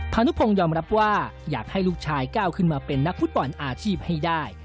พานุพงศ์ยอมรับว่าอยากให้ลูกชายก้าวขึ้นมาเป็นนักฟุตบอลอาชีพให้ได้